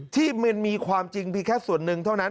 ที่มันมีความจริงมีแค่ส่วนหนึ่งเท่านั้น